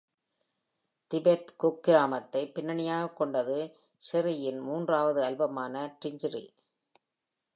Tibet குக்கிராமத்தை பின்னணியாகக் கொண்டது Serrie-யின் மூன்றாவது ஆல்பமான ‘Tingri’.